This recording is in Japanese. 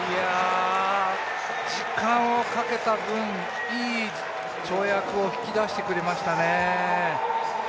時間をかけた分、いい跳躍を引き出してくれましたね。